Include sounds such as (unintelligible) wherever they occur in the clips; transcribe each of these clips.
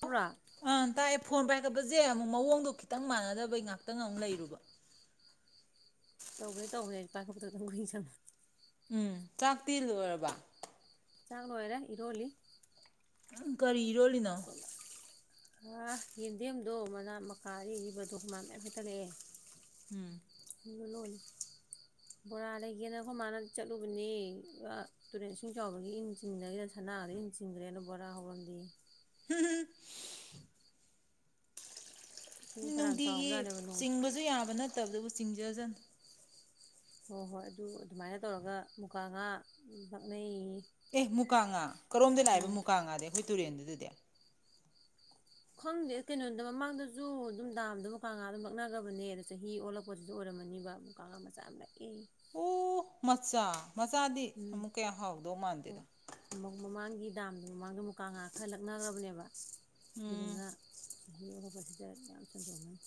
ꯄꯨꯔꯥ ꯑ ꯇꯥꯛꯑꯦ ꯐꯣꯟ ꯄꯥꯏꯒꯠꯄꯁꯦ ꯑꯃꯨꯛ ꯃꯑꯣꯡꯗꯣ ꯈꯤꯇꯪ ꯃꯥꯟꯅꯗꯕꯩ ꯉꯥꯛꯇꯪ ꯉ ꯑꯃꯨꯛ ꯂꯩꯔꯨꯕ ꯇꯧꯒꯦ ꯇꯧꯋꯦ ꯍꯥꯏ ꯄ ꯎꯝ ꯆꯥꯛꯇꯤ ꯂꯣꯏꯔꯕ ꯆꯥꯛ ꯂꯣꯏꯔꯦ ꯏꯔꯣꯜꯂꯤ ꯀꯔꯤ ꯏꯔꯣꯜꯂꯤꯅꯣ ꯑ ꯌꯦꯗꯤꯦꯝꯦꯝ ꯑꯗꯣ ꯃꯅꯥ ꯃꯀꯥꯔꯔꯤꯕꯗꯣ ꯀꯃꯥꯟ ꯃꯌꯥꯝ ꯍꯦꯛꯇꯔꯛꯑꯦ ꯎꯝ ꯂꯣꯂꯤ ꯕꯣꯔꯥ ꯂꯩꯒꯦꯅ ꯑꯩꯈꯣꯏ ꯃꯥꯅ ꯆꯠꯂꯨꯕꯅꯤ ꯇꯨꯔꯦꯟ ꯏꯁꯤꯡ ꯆꯥꯎꯕꯒꯤ ꯏꯟ ꯆꯤꯡꯅꯒꯤꯅ ꯁꯅꯥꯒꯗ ꯏꯟ ꯆꯤꯡꯈ꯭ꯔꯦꯅ ꯕꯣꯔꯥ ꯍꯧꯔꯝꯗꯤ ꯎꯝ ꯏꯁꯤꯡ ꯐꯅꯌꯥꯝ ꯅꯨꯡꯇꯤꯒꯤ ꯆꯥꯎꯕꯖꯥꯠꯅꯦꯕ ꯅꯣꯡꯗꯣ ꯆꯤꯡꯕꯁꯨ ꯌꯥꯕ ꯅꯠꯇꯕꯗꯕꯨ ꯆꯤꯡꯖꯖꯅꯨ ꯍꯣꯏ ꯍꯣꯏ ꯑꯗꯨ ꯑꯗꯨꯃꯥꯏꯅ ꯇꯧꯔꯒ ꯃꯨꯀ ꯉꯥ ꯅꯛꯅꯩ ꯑꯦ ꯃꯨꯀꯥꯉꯥ ꯀꯔꯣꯝꯗ ꯂꯥꯛꯑꯕ ꯃꯨꯀꯥꯉꯥꯗꯤ ꯑꯩꯈꯣꯏ ꯇꯨꯔꯗꯗꯤꯗ ꯈꯪꯗꯦ ꯀꯩꯅꯣꯗ ꯃꯃꯥꯡꯗꯁꯨ ꯑꯗꯨꯝ ꯗꯥꯕꯗ ꯃꯨꯀꯥꯒꯥ ꯑꯗꯨꯝ ꯂꯛꯅꯕꯅꯦ ꯑꯗ ꯆꯍꯤ ꯑꯣꯜꯂꯛꯄꯁꯤꯁꯨ ꯑꯣꯏꯔꯝꯃꯅꯤꯕ ꯃꯨꯀꯥ ꯉꯥ ꯃꯆꯥ ꯌꯥꯝ ꯂꯛꯑꯦ ꯎ ꯃꯆꯥ ꯃꯆꯥꯗꯤ ꯎꯝ ꯑꯃꯨꯛ ꯀꯌꯥ ꯍꯥꯎꯗꯧ ꯃꯥꯟꯗꯦ ꯗꯥꯝꯗꯨ ꯃꯃꯥꯡꯗ ꯃꯨꯀꯥꯉꯥ ꯈꯔꯂꯛꯅꯈ꯭ꯔꯕꯅꯦꯕ ꯎꯝ ꯑꯗꯨꯗꯨꯅ ꯆꯍꯤ ꯑꯐꯕꯁꯦ ꯁꯤꯗ ꯌꯥꯝ ꯁꯟꯗꯣꯛꯅꯤ (inaudible) (unintelligible) (unintelligible)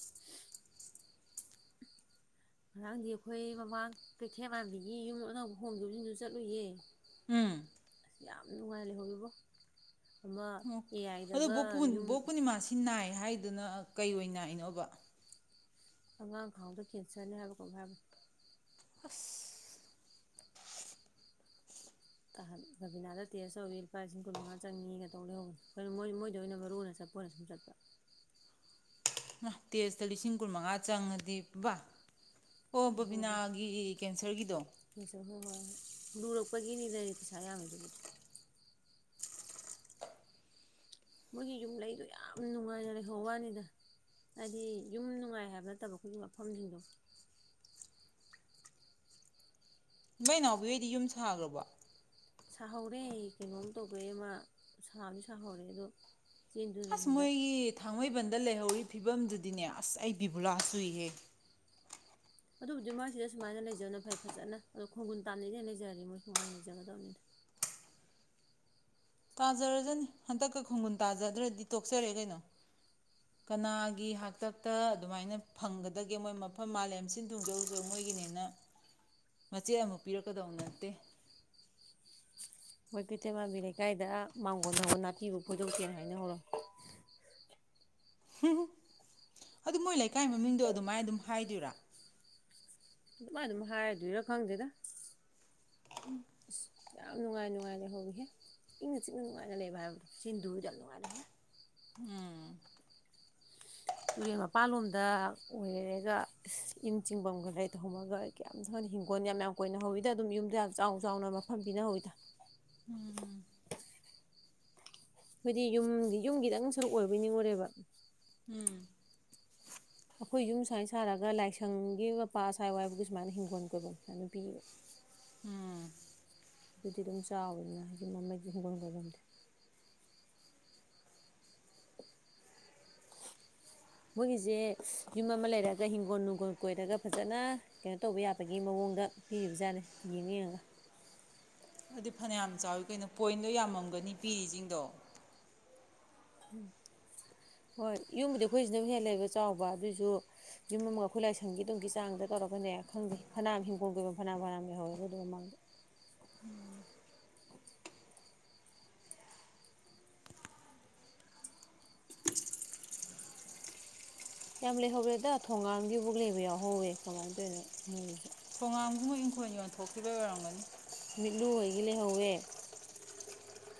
ꯉꯔꯥꯡꯗꯤ ꯑꯩꯈꯣꯏ ꯃꯃꯥꯡ ꯀꯩꯊꯦꯜ ꯄꯥꯟꯕꯤꯒꯤ ꯌꯨꯝ ꯑꯅꯧꯕ ꯍꯣꯡꯗꯕꯁꯤꯡꯗꯨ ꯆꯠꯂꯨꯏꯌꯦ ꯎꯝ ꯑꯁ ꯌꯥꯝ ꯅꯨꯡꯉꯥꯏ ꯂꯩꯍꯧꯔꯤꯕꯣ ꯑꯣ ꯑꯗꯣ ꯕꯣꯛ ꯌꯨꯝ ꯄꯨꯔꯅꯤꯃꯥꯁꯤ ꯅꯥꯏ ꯍꯥꯏ ꯑꯗꯨꯅ ꯀꯩ ꯑꯣꯏꯅ ꯏꯅꯣꯕ ꯑꯉꯥꯡ ꯈꯥꯡꯕꯗ ꯀꯦꯟꯁꯔꯅꯦ ꯍꯥꯏꯕꯀꯣ ꯍꯥꯏꯕꯅꯤ ꯑꯁ ꯍ ꯔꯕꯤꯅꯥꯗ ꯇꯦꯁ ꯇꯧꯋꯤ ꯂꯨꯄꯥ ꯂꯤꯁꯤꯡ ꯀꯨꯟ ꯃꯉꯥ ꯆꯪꯉꯤꯒ ꯇꯧ ꯂꯩꯍꯧꯕ ꯑꯩꯈꯣꯏ ꯃꯣꯏ ꯃꯣꯏꯗ ꯑꯣꯏꯅ ꯃꯔꯨ ꯑꯣꯏꯅ ꯆꯠꯄ ꯑꯣꯏꯅ ꯁꯨꯝ ꯆꯠꯄ ꯇꯦꯖꯇ ꯂꯤꯁꯤꯡ ꯀꯨꯟ ꯃꯉꯥ ꯆꯪꯉꯗꯤ ꯕ ꯑꯣ ꯍꯥꯏꯍꯧꯕꯅꯤ ꯕꯕꯤꯅꯥꯒꯤ ꯀꯦꯟꯁꯔꯒꯤꯗꯣ ꯂꯨꯔꯛꯄꯒꯤꯅꯤ ꯂꯩ ꯄꯩꯁꯥ ꯌꯥꯝꯃꯦꯗꯨꯕꯨꯗꯤ ꯃꯣꯏꯒꯤ ꯌꯨꯝ ꯂꯩꯗꯣ ꯌꯥꯝ ꯅꯨꯡꯉꯥꯏꯅ ꯂꯩꯍꯧ ꯋꯥꯅꯤꯗ ꯍꯥꯏꯗꯤ ꯌꯨꯝ ꯅꯨꯡꯉꯥꯏ ꯍꯥꯏꯕ ꯅꯠꯇꯕ ꯑꯩꯈꯣꯏꯒꯤ ꯃꯐꯝꯁꯤꯡꯗꯣ ꯏꯏ ꯏꯅꯥꯎꯕꯤ ꯍꯣꯏꯗꯤ ꯌꯨꯝ ꯁꯥꯈ꯭ꯔꯕ ꯁꯥꯍꯧꯔꯦ ꯑꯩ ꯀꯩꯅꯣꯝ ꯇꯧꯈꯦ ꯑꯃ ꯁꯥꯕꯁꯨ ꯁꯥꯍꯧꯔꯦ ꯑꯗꯣ ꯆꯦꯟꯗꯨꯅ ꯑꯁ ꯍꯟꯗꯛ ꯃꯣꯏꯒꯤ ꯊꯥꯡꯃꯩꯕꯟꯗ ꯂꯩꯍꯧꯔꯤꯕ ꯐꯤꯕꯝꯗꯨꯗꯤꯅꯦ ꯑꯁ ꯑꯩ ꯕꯤꯕꯨꯣꯔꯥ ꯁꯨꯏꯍꯦ ꯑꯗꯨꯕꯨꯗꯤ ꯃꯣꯏꯁꯤꯗ ꯁꯨꯃꯥꯏꯅ ꯂꯩꯖꯕꯅ ꯐꯩ ꯐꯖꯅ ꯑꯗꯣ ꯈꯣꯡꯒꯨꯟ ꯇꯥꯝꯅꯩꯗꯤ ꯍꯦ ꯂꯩꯖꯔꯗꯤ ꯃꯣꯏ ꯅꯨꯡꯉꯥꯏꯅ ꯂꯩꯖꯒꯗꯕꯅꯤꯅ ꯇꯥꯖꯔꯖꯅꯤ ꯍꯟꯗꯛꯀ ꯈꯣꯡꯒꯨꯟ ꯇꯥꯖꯗ꯭ꯔꯗꯤ ꯇꯣꯛꯆꯔꯦ ꯀꯩꯅꯣ ꯀꯅꯥꯒꯤ ꯍꯥꯛꯇꯛꯇ ꯑꯗꯨꯃꯥꯏꯅ ꯐꯪꯒꯗꯒꯦ ꯃꯣꯏ ꯃꯐꯝ ꯃꯥꯂꯦꯝ ꯁꯤꯟ ꯊꯨꯡꯖꯖ ꯃꯣꯏꯒꯤꯅꯦꯅ ꯃꯆꯦꯠ ꯑꯃꯨꯛ ꯄꯤꯔꯛꯀꯗꯧ ꯅꯠꯇꯦ ꯑꯩꯈꯣꯏ ꯀꯩꯊꯩꯃꯥꯟꯕꯤ ꯂꯩꯀꯥꯏꯗ ꯃꯥꯡꯒꯣꯟꯜ ꯍ ꯅꯥꯄꯤꯕꯨ ꯐꯣꯏꯗꯣꯛꯁꯦꯅ ꯍꯥꯏꯅ ꯍꯧꯔꯣ ꯎ ꯑꯗꯨ ꯃꯣꯏ ꯂꯩ ꯏꯀꯥꯏꯒꯤ ꯃꯃꯤꯡꯗꯣ ꯑꯗꯨꯃꯥꯏꯅ ꯑꯗꯨꯝ ꯍꯥꯏꯗꯨꯔ ꯑꯗꯨꯥꯏ ꯑꯗꯨꯝ ꯍꯥꯏꯔꯗꯣꯏꯔꯥ ꯈꯪꯗꯦꯗ (inaudible) ꯌꯥꯝ ꯅꯨꯡꯉꯥꯏ ꯅꯨꯡꯉꯥꯏ ꯂꯩꯍꯧꯕꯔꯤꯍꯦ ꯏꯪꯅ ꯆꯤꯛꯅ ꯅꯨꯡꯉꯥꯏꯅ ꯂꯩꯕ ꯍꯥꯏꯕꯗꯣ ꯁꯤꯤꯟꯗꯨꯗ ꯌꯥꯝ ꯅꯨꯡꯉꯥꯏꯅ ꯍꯧꯋꯦ ꯎꯝ ꯇꯨꯔꯦꯜ ꯃꯄꯥꯟ ꯂꯣꯝꯗ ꯑꯣꯏꯔꯦꯒ ꯏꯨꯝ ꯆꯤꯡꯐꯝꯒ ꯂꯩꯇꯧꯝꯃꯒ ꯀꯌꯥꯝ ꯊꯅ ꯍꯤꯡꯈꯣꯜ ꯌꯥꯝ ꯌꯥꯝ ꯀꯨꯏꯅ ꯍꯧꯧꯋꯤꯗ ꯑꯗꯨꯝ ꯌꯨꯝꯗ ꯌꯥꯝ ꯆꯥꯎ ꯆꯥꯎꯅ ꯃꯐꯝ ꯄꯤꯅꯍꯧꯋꯤꯗ ꯍꯥꯏꯣꯏꯗꯤ ꯌꯨꯝꯗꯤ ꯌꯨꯝꯒꯤꯗꯪ ꯁꯔꯨꯛ ꯑꯣꯏꯕꯩ ꯅꯤꯡꯉꯨꯔꯦꯕ ꯎꯝ ꯑꯩꯈꯣꯏ ꯌꯨꯝ ꯁꯨꯃꯥꯏꯅ ꯁꯥꯔꯒ ꯂꯥꯏꯁꯪꯒꯤ ꯃꯄꯥ ꯑꯁꯋꯥꯥꯏ ꯋꯥꯏꯕꯒꯤ ꯁꯨꯃꯥꯏꯅ ꯍꯤꯡꯒꯣꯜ ꯀꯣꯏꯕ ꯁꯨꯃꯥꯏ ꯅꯨꯄꯤꯕ ꯑꯗꯨꯗꯤ ꯑꯗꯨꯝ ꯆꯥꯎꯋꯤꯅꯤꯅ ꯌꯨꯝ ꯑꯃꯒꯤ ꯍꯤꯡꯒꯣꯜ ꯀꯣꯏꯐꯝꯗꯤ ꯃꯣꯏꯒꯤꯁꯦ ꯌꯨꯝ ꯑꯃ ꯂꯩꯔꯒ ꯍꯤꯡꯒꯣꯜ ꯅꯨꯡꯒꯣꯜ ꯀꯣꯏꯔꯒ ꯐꯖꯅ ꯀꯩꯅꯣ ꯇꯧꯕ ꯌꯥꯕꯒꯤ ꯃꯑꯣꯡꯗ ꯄꯤꯔꯤꯕꯖꯥꯠꯅꯦ ꯌꯦꯡ ꯌꯦꯡꯉꯒ ꯑꯗꯨꯗꯤ ꯐꯅꯌꯥꯝ ꯆꯥꯎꯋꯤ ꯀꯩꯅꯣ ꯄꯣꯏꯟꯗꯣ ꯌꯥꯝꯃꯝꯒꯅꯤ ꯄꯤꯔꯤꯁꯤꯡꯗꯣ ꯎꯝ ꯍꯣꯏ ꯌꯨꯝꯕꯨꯗꯤ ꯑꯩꯈꯣꯏꯁꯤꯅ ꯍꯦꯟ ꯂꯩꯕ ꯆꯥꯎꯕ ꯑꯗꯨꯑꯣꯏꯁꯨ ꯌꯨꯝ ꯑꯃꯒ ꯑꯩꯈꯣꯏ ꯂꯥꯏꯁꯪꯒꯤ ꯑꯗꯨꯝꯒꯤ ꯆꯥꯡꯗ ꯇꯧꯔꯛꯀꯅꯦ ꯈꯪꯗꯦ ꯐꯅꯌꯥꯝ ꯍꯤꯡꯒꯣꯜ ꯀꯣꯏꯕ ꯐꯅꯝ ꯐꯅꯥꯝ ꯂꯩꯍꯧꯋꯦꯕ ꯑꯗꯨ ꯃꯃꯥꯡꯗ ꯀꯌꯥꯝ ꯂꯩꯍꯧꯔ꯭ꯔꯦꯗ ꯊꯣꯡꯒꯝꯒꯤꯕꯨꯛ ꯂꯩꯕ ꯌꯥꯎꯍꯧꯋꯦ ꯀꯃꯥꯏꯅ ꯇꯧꯔꯤꯅꯣ ꯃꯣꯏꯒꯤꯁꯨ ꯄꯣꯉꯥꯝꯒꯨꯝꯕꯣꯏ ꯏꯪꯈꯣꯜ ꯌꯣꯟꯊꯣꯛꯈꯤꯕ ꯑꯣꯏꯔꯝꯒꯅꯤ ꯃꯤꯠꯂꯨ ꯍꯒꯤ ꯂꯩꯍꯧꯋꯦ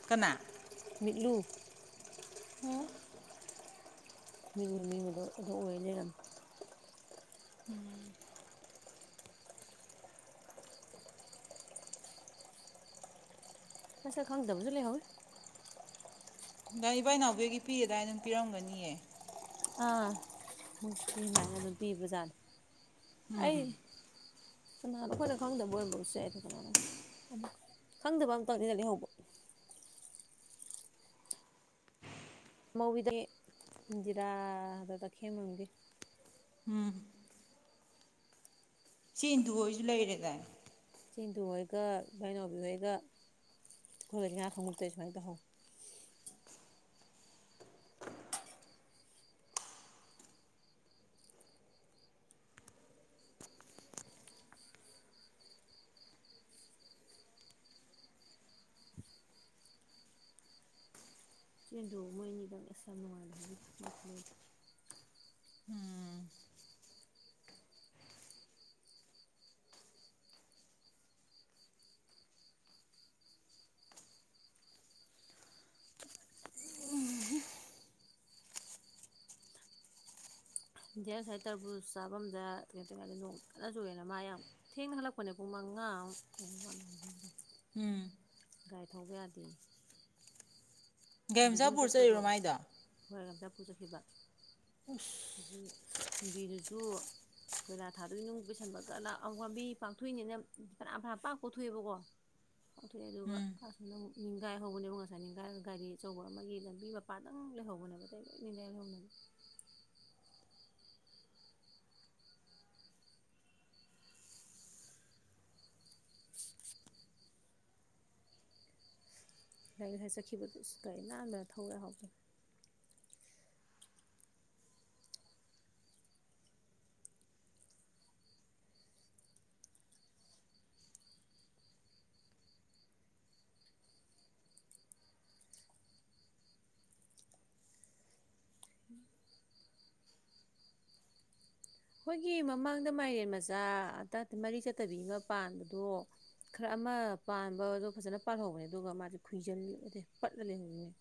ꯀꯅꯥ ꯂꯨ ꯑꯣ ꯃꯤꯔꯕ ꯃꯤꯕꯗꯣ ꯑꯗꯨ ꯑꯣꯏ ꯂꯩꯔꯝꯃꯦ ꯃꯁꯛ ꯈꯪꯗꯕꯁꯨ ꯂꯩꯍꯧꯋꯤ ꯗꯥ ꯏꯕꯥ ꯏ ꯅꯥꯎꯕꯒꯤ ꯄꯤꯌꯦꯗꯥꯏ ꯑꯗꯨꯝ ꯄꯤꯔꯝꯒꯅꯤꯌꯦ ꯑꯥ ꯃꯨꯁꯤꯃꯥꯏꯅ ꯑꯗꯨꯝ ꯄꯤꯕꯖꯥꯠꯅꯤ ꯑꯩ ꯎꯝꯝ ꯀꯅꯥꯅꯣ ꯑꯩꯈꯣꯏꯅ ꯈꯪꯗꯕ ꯑꯣꯏꯔꯝꯕꯕꯨꯁꯨ ꯌꯥꯏꯗ ꯀꯅꯥꯅꯣ ꯈꯪꯗꯕ ꯑꯃꯇꯪꯅꯤꯅ ꯂꯩꯍꯧꯕ ꯃꯧꯒꯤꯗꯤ ꯏꯟꯗꯤꯔꯥꯗꯣ ꯇꯥꯈꯦꯜꯕꯥꯝꯒꯤ ꯏꯆꯦ ꯏꯟꯗꯨ ꯍꯣꯏꯁꯨ ꯂꯩꯔꯦꯗꯅ ꯏꯆꯦ ꯏꯟꯗꯨ ꯍꯣꯏꯒ ꯏꯕꯥꯏ ꯅꯥꯎꯕꯤ ꯍꯣꯏꯒ ꯑꯩꯈꯣꯏꯗ ꯉꯥ ꯊꯣꯡ ꯅꯨꯃꯤꯠꯇ ꯁꯨꯃꯥꯏꯅ ꯇꯧꯍꯧꯏ ꯏꯆꯦ ꯏꯟꯗꯨ ꯃꯣꯏꯅꯤꯗꯪ ꯑꯁ ꯌꯥꯝ ꯅꯨꯡꯉꯥꯏꯅ ꯂꯩꯍꯧꯏꯗꯥ ꯃꯣꯏ ꯈꯨꯂꯩꯗꯣ ꯏꯟꯗꯤꯌꯥꯟ ꯁꯥꯏ ꯇꯔꯕꯨꯖ ꯆꯥꯐꯝꯗ ꯀꯩꯅꯣ ꯇꯧꯏꯅꯥ ꯅꯣꯡ ꯀꯟꯅ ꯆꯨꯨꯌꯦꯅ ꯃꯥ ꯌꯥꯝ ꯊꯦꯡꯅ ꯍꯜꯂꯛꯄꯅꯦ ꯄꯨꯡ ꯃꯉꯥꯃꯨꯛ ꯎꯝ ꯒꯥꯏꯊꯧꯕ ꯌꯥꯗꯦꯌꯦ ꯊꯨꯝꯕꯤꯖꯨꯡ ꯒꯥꯏꯃꯆꯥꯄꯨꯔ ꯆꯠꯄꯗꯣ ꯆꯠꯂꯤꯔꯣ ꯃꯥꯏꯗꯣ ꯍꯣꯏ ꯑꯗ ꯄꯨꯨ ꯆꯁꯕꯥ (unintelligible) ꯒꯤ ꯀꯨꯝꯕꯤꯗꯨꯁꯨ ꯀꯣꯏꯂꯥ ꯊꯥꯗꯣꯏ ꯅꯨꯡ ꯄꯩꯁꯟꯕꯒ ꯂꯥꯛ ꯂꯥꯝꯕꯤ ꯄꯥꯛꯊꯣꯛꯏꯅꯤꯅ ꯐꯩꯅꯥꯝ ꯐꯩꯅꯥꯝ ꯄꯥꯛ ꯀꯣꯛꯊꯣꯛꯑꯦꯕꯀꯣ ꯄꯥꯛꯊꯣꯛꯑꯦ ꯑꯗꯨꯒ ꯎꯝ ꯑꯁꯣꯝꯗ ꯑꯃꯨꯛ ꯅꯤꯡꯒꯥꯏ ꯍꯧꯕꯅꯦꯕꯀꯣ ꯉꯁꯥꯏ ꯅꯤꯡꯒꯥꯏꯔꯒ ꯒꯥꯔꯤ ꯑꯆꯧꯕ ꯑꯃꯒꯤ ꯂꯝꯕꯤ ꯃꯄꯥꯗꯪ ꯂꯩꯍꯧꯕꯅꯦꯕ ꯑꯇꯩ ꯂꯣꯏ ꯅꯤꯒꯥꯏꯍꯧꯔꯝꯃꯅꯤ ꯒꯩ ꯉꯁꯥꯏ ꯆꯠꯈꯤꯕꯗꯨꯁꯨ ꯒꯥꯔꯤ ꯅꯥꯟꯕꯅ ꯊꯧ ꯌꯥꯍꯧꯗꯅꯕꯅꯦ ꯑꯩꯈꯣꯏꯒꯤ ꯃꯃꯥꯡꯗ ꯃꯥꯏꯔꯦꯟ ꯃꯆꯥ ꯃꯔꯤ ꯆꯠꯇꯕꯤ ꯑꯃ ꯄꯥꯟꯕꯗꯣ ꯈꯔ ꯑꯃ ꯄꯥꯟꯕꯗꯣ ꯐꯖꯅ ꯄꯥꯜꯍꯧꯕꯅꯦ ꯑꯗꯨꯒ ꯃꯥꯗꯤ ꯈꯨꯏꯖꯤꯜꯂ ꯄꯠꯂ ꯂꯩꯍꯧꯏꯅꯦ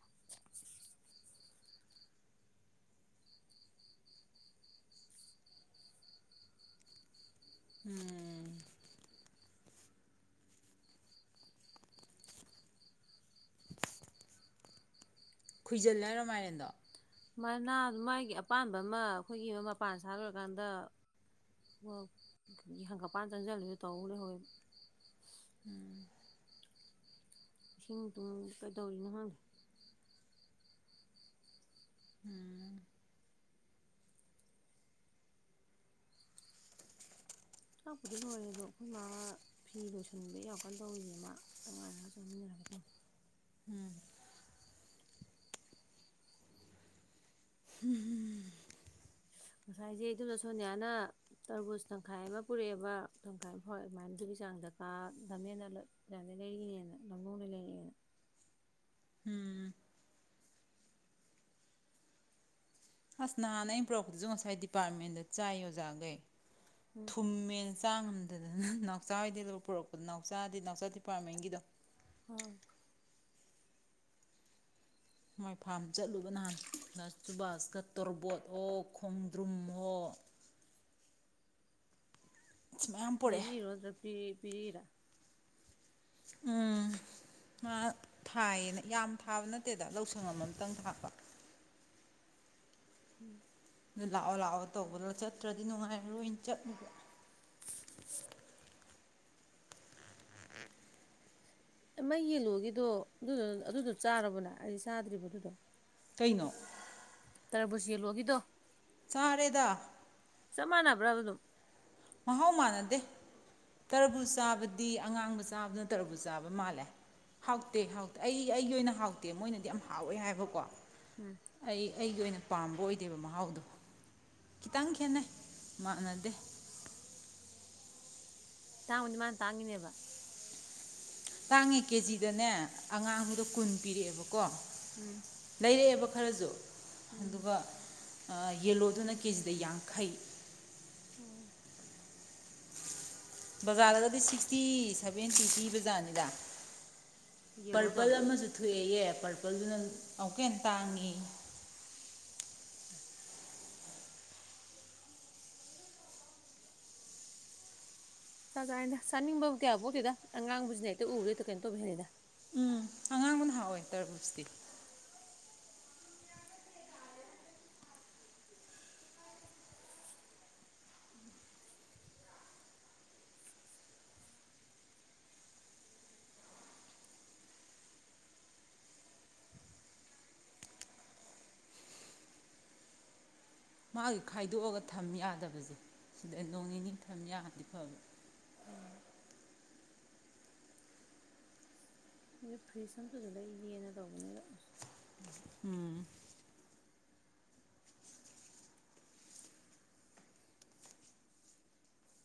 (inaudible) ꯎꯝ ꯈꯨꯏꯖꯜꯂꯦ ꯍꯥꯏꯔꯣ ꯃꯥꯏꯔꯦꯟꯗꯣ ꯃꯅꯥ ꯃꯥꯒꯤ ꯑꯄꯥꯝꯕ ꯑꯃ ꯑꯩꯈꯣꯏꯒꯤ ꯃꯄꯥꯟ ꯁꯥꯔ ꯂꯣꯏꯔꯀꯥꯟꯗ ꯍꯪꯀꯠꯄꯥꯟ ꯆꯪꯖꯟꯕꯤꯗꯣ ꯇꯧꯂꯩꯍꯧꯏꯕ ꯏꯁꯤꯡꯗꯨꯟ ꯀꯩꯗꯧꯔꯤꯅꯣ ꯈꯪꯗꯦ ꯆꯥꯛꯄꯨꯗꯤ ꯂꯣꯏꯔꯦ ꯑꯗꯣ ꯑꯩꯈꯣꯏ ꯃꯥ ꯐꯤ ꯂꯣꯏꯁꯟꯕꯩ ꯌꯥꯝꯀꯥꯟꯅ ꯇꯧꯔꯤꯌꯦ ꯃꯥ ꯗꯨꯉꯥꯏꯔꯒ ꯆꯥꯃꯤꯟꯅꯔꯒꯦ ꯑꯗꯨꯝ ꯉꯁꯥꯏꯁꯦ ꯑꯗꯨꯅ ꯁꯣꯅꯤꯌꯥꯅ ꯇꯔꯕꯨꯁ ꯇꯪꯈꯥꯏ ꯑꯃ ꯄꯨꯔꯛꯑꯦꯕ ꯇꯪꯈꯥꯏ ꯑꯃ ꯐꯥꯎꯔꯛꯑꯦ ꯑꯗꯨꯃꯥꯏꯅꯗꯨꯒꯤ ꯆꯥꯡꯗ ꯀꯥꯗꯝꯝꯃꯦꯅ ꯑꯗꯨ ꯂꯩꯔꯤꯅꯦꯅ ꯂꯝꯂꯣꯡꯗ ꯂꯩꯔꯛꯑꯦꯅ ꯎꯝ ꯑꯁ ꯅꯍꯥꯟꯅ ꯑꯩꯅ ꯄꯨꯔꯛꯄꯗꯁꯨ ꯉꯁꯥꯏ ꯗꯤꯄꯥꯔꯠꯃꯦꯟꯗ ꯆꯥꯏ ꯑꯣꯖꯥꯈꯩ ꯎꯝ ꯊꯨꯝꯃꯦꯦꯟ ꯆꯥ ꯉꯝꯗꯗꯅ ꯅꯥꯎꯆꯥ ꯍ ꯑꯣꯏꯗꯦ ꯂ ꯄꯨꯔꯛꯄꯗ ꯅꯥꯎꯆꯥꯗꯤ ꯅꯥꯎꯆꯥ ꯗꯤꯄꯥꯔꯠꯃꯦꯟꯒꯤꯗꯣ ꯍ ꯃꯥꯏ ꯐꯥꯔꯝ ꯆꯠꯂꯨꯕ ꯅꯍꯥꯟ ꯆꯨꯕꯥꯁꯇ ꯇꯣꯔꯕꯣꯠ ꯑꯣ ꯈꯣꯡꯗ꯭ꯔꯨꯝ ꯑꯣꯣ ꯃꯌꯥꯝ ꯄꯨꯔꯛꯑꯦ ꯂꯩꯔꯤꯔꯣ ꯑꯗꯨꯗ꯭ꯔꯞꯗꯤ ꯄꯦꯔ ꯎꯝ ꯃꯥ ꯊꯥꯏꯌꯦꯅ ꯌꯥꯝ ꯊꯥꯕ ꯅꯠꯇꯦꯗ ꯂꯧꯁꯪ ꯑꯃ ꯑꯝꯇꯪ ꯊꯥꯛꯄ ꯎꯝ ꯑꯗꯨ ꯂꯥꯛꯑꯣ ꯂꯥꯛꯑꯣ ꯇꯧꯕꯗ ꯆꯠꯇ꯭ꯔꯗꯤ ꯅꯨꯡꯉꯥꯏꯔꯔꯣꯏꯅ ꯆꯠꯂꯨꯕ ꯃ ꯌꯦꯜꯂꯣꯒꯗꯣ ꯑꯗꯨꯗ ꯑꯗꯨꯗꯣ ꯆꯥꯔꯕꯅꯦ ꯑꯩ ꯆꯥꯗ꯭ꯔꯤꯕ ꯑꯗꯨꯗꯣ ꯀꯩꯅꯣ ꯇꯔꯥꯕꯁ ꯌꯂꯨꯒꯤꯗꯣ ꯆꯔꯦꯗꯥ ꯆꯞ ꯃꯥꯟꯅꯕ꯭ꯔꯥ ꯑꯗꯨꯝ ꯃꯍꯥꯎ ꯃꯥꯟꯅꯗꯦ ꯇꯔꯕꯨ ꯆꯥꯕꯗꯤ ꯑꯉꯥꯡꯕ ꯆꯥꯕꯗꯨꯅ ꯇꯔꯕꯨ ꯆꯥꯕ ꯃꯥꯜꯂꯦ ꯍꯥꯎꯇꯦ ꯍꯥꯎꯇꯦ ꯑꯩ ꯑꯩꯒꯤ ꯑꯣꯏꯅ ꯍꯥꯎꯇꯦ ꯃꯣꯏꯅꯗꯤ ꯌꯥꯝ ꯍꯥꯎꯋꯦ ꯍꯥꯏꯕꯀꯣ ꯎꯝ ꯑꯩ ꯑꯩꯒꯤ ꯑꯣꯏꯅ ꯄꯥꯝꯕ ꯑꯣꯏꯗꯦꯕ ꯃꯍꯥꯎꯗꯣ ꯈꯤꯇꯪ ꯈꯦꯠꯅꯩ ꯃꯥꯟꯅꯗꯦ ꯇꯥꯡꯕꯅꯤ ꯃꯥꯅ ꯇꯥꯡꯉꯤꯅꯦꯕ ꯇꯥꯡꯉꯤ ꯀꯦꯖꯤꯗꯅꯦ ꯑꯉꯥꯡꯕꯨꯗ ꯀꯨꯟ ꯄꯤꯔꯛꯑꯦꯕꯀꯣ ꯀꯣ ꯎꯝ ꯂꯩꯔꯛꯑꯦꯕ ꯈꯔꯖꯨ ꯎꯝ ꯑꯗꯨꯒ ꯑ ꯌꯦꯂꯣꯗꯨꯅ ꯀꯦꯖꯤꯗ ꯌꯥꯡꯈꯩ ꯑꯣ ꯕꯖꯥꯔꯗꯒꯗꯤ ꯁꯤꯛꯁꯇꯤ ꯁꯚꯦꯟꯇꯤ ꯄꯤ ꯕꯖꯥꯠꯅꯤꯗ ꯌꯦꯜꯂꯣꯗꯣ ꯄꯔꯄꯜ ꯑꯃꯖꯨ ꯊ ꯂꯑꯦꯌꯦ ꯄꯔꯄꯜꯗꯨꯅ ꯑꯃꯨꯛꯀ ꯍꯦꯟꯅ ꯇꯥꯡꯉꯦꯌꯦ ꯆꯥꯛ ꯆꯥꯗ ꯆꯥꯅꯤꯡꯕ ꯀꯌꯥ ꯄꯣꯛꯇꯦꯗ ꯑꯉꯥꯡꯕꯁꯤꯅ ꯍꯦꯛꯇ ꯎꯕꯗ ꯀꯩꯅꯣ ꯇꯧꯕ ꯍꯦꯜꯂꯦꯗ ꯎꯝ ꯑꯉꯥꯡꯕꯅ ꯍꯥꯎꯋꯦ ꯇꯔꯕꯨꯁꯇꯤ ꯃꯥꯒꯤ ꯈꯥꯏꯗꯣꯛꯑꯒ ꯊꯝ ꯌꯥꯗꯕꯖꯦ ꯁꯤꯗ ꯅꯣꯡ ꯅꯤꯅꯤ ꯊꯝ ꯌꯥꯔꯗꯤ ꯐꯕ ꯑꯣ ꯑꯗꯨ ꯐ꯭ꯔꯤꯖ ꯑꯝꯇꯁꯨ ꯂꯩꯒꯦꯅ ꯇꯧꯕꯅꯦ ꯑꯗꯣ ꯑꯁ ꯎꯝ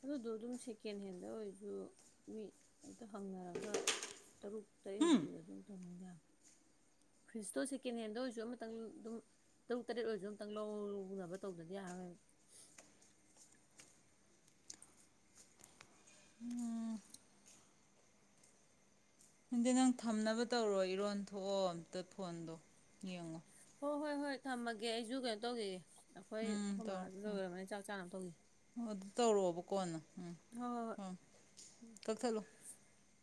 ꯑꯗꯨꯗꯣ ꯑꯗꯨꯝ ꯁꯦꯀꯦꯟ ꯍꯦꯟꯗ ꯑꯣꯏꯔꯁꯨ ꯃꯤ ꯑꯝꯇ ꯍꯪꯅꯔꯒ ꯇꯔꯨꯛ ꯇꯔꯦꯠ ꯎꯝ ꯌꯧꯕꯤꯕ ꯑꯗꯨꯝ ꯇꯧꯅꯤꯡ ꯌꯥ ꯐꯔꯤꯁꯇꯣ ꯁꯦꯀꯦꯟ ꯍꯦꯟꯗ ꯑꯣꯏꯔꯁꯨ ꯑꯃꯇꯪ ꯑꯗꯨꯝ ꯇꯔꯨꯛ ꯇꯔꯦꯠ ꯑꯣꯏꯔꯁꯨ ꯑꯃꯇꯪ ꯂꯧꯅꯕ ꯇꯧꯗꯗꯤ ꯌꯥꯔꯔꯣꯏꯕ ꯑꯗꯨꯗꯤ ꯅꯪ ꯊꯝꯅꯕ ꯇꯧꯔꯣ ꯏꯔꯣꯟ ꯊꯣꯛꯑꯣ ꯑꯝꯇ ꯐꯣꯟꯗꯣ ꯌꯦꯡꯉꯣ ꯑꯣ ꯍꯣꯏ -ꯍꯣꯏ ꯊꯝꯃꯒꯦ ꯑꯩꯁꯨ ꯀꯩꯅꯣ ꯇꯧꯒꯤꯒꯦ ꯎꯝ ꯇꯧꯔꯣ ꯎꯝ ꯑꯗꯨ ꯇꯧꯔꯣꯕ ꯀꯣꯟꯅ ꯎꯝ ꯎꯝ ꯍꯣꯏ-ꯍꯣꯏ ꯀꯛꯊꯠꯂꯣ -ꯍꯣꯏ